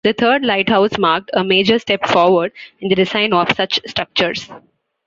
The third lighthouse marked a major step forward in the design of such structures.